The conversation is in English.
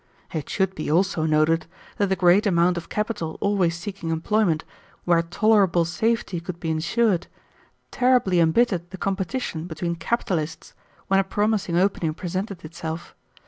"It should be also noted that the great amount of capital always seeking employment where tolerable safety could be insured terribly embittered the competition between capitalists when a promising opening presented itself.